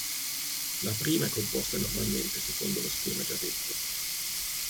La prima è composta normalmente secondo lo schema già detto.